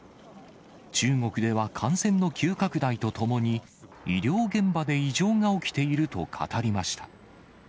中国では感染の急拡大とともに、医療現場で異常が起きていると語りました。